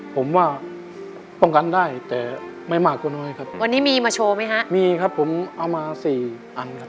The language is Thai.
ผมว่าป้องกันได้แต่ไม่มากกว่าน้อยครับวันนี้มีมาโชว์ไหมฮะมีครับผมเอามาสี่อันครับ